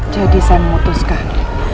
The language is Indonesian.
jadi saya memutuskan